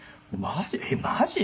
「マジ？